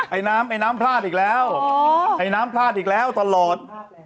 ไอน้ำไอ้น้ำพลาดอีกแล้วไอ้น้ำพลาดอีกแล้วตลอด